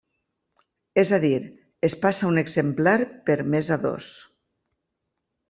És a dir, es passa d'un exemplar per mes a dos.